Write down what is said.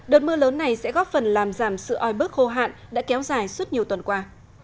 đợt mưa lớn này sẽ góp phần làm giảm sự oi bức khô hạn đã kéo dài suốt nhiều tuần qua